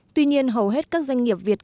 tuy nhiên hầu hết các doanh nghiệp việt